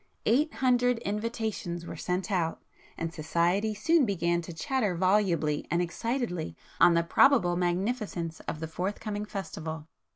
Eight hundred invitations were sent out; and society soon began to chatter volubly and excitedly on the probable magnificence of the forthcoming festival.